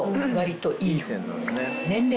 年齢。